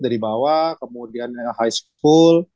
dari bawah kemudian high school